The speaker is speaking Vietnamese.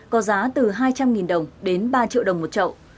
có giá từ hai trăm linh đồng đến ba triệu đồng một trậu